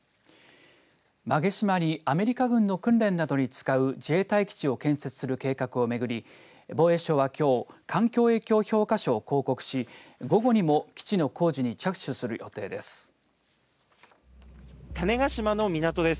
馬毛島にアメリカ軍の訓練などに使う自衛隊基地を建設する計画を巡り防衛省は、きょう環境影響評価書を公告し午後にも基地の工事に着手する予定です。